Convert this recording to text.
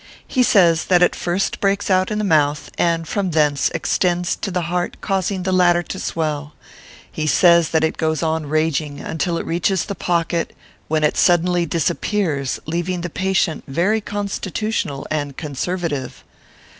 He says that it first breaks out in the mouth, and from thence extends to the heart causing the latter to swell. He says that it goes on raging until it reaches the pocket, when it suddenly disappears, leaving the patient very Constitutional and conservative.